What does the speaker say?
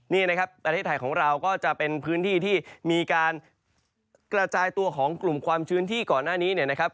นี่นะครับประเทศไทยของเราก็จะเป็นพื้นที่ที่มีการกระจายตัวของกลุ่มความชื้นที่ก่อนหน้านี้เนี่ยนะครับ